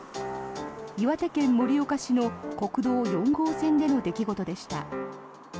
岩手県盛岡市の国道４号線での出来事でした。